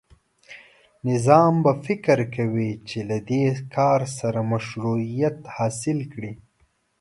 نظام به فکر کوي چې له دې کار سره مشروعیت حاصل کړي.